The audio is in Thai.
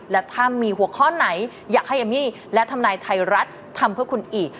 และถ้ามีหัวข้อไหนอยากให้เอมมี่และทำนายไทยรัฐทำเพื่อคุณอีก